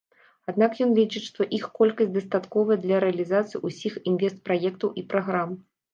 Аднак ён лічыць, што іх колькасці дастатковая для рэалізацыі ўсіх інвестпраектаў і праграм.